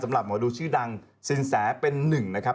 หมอดูชื่อดังสินแสเป็นหนึ่งนะครับ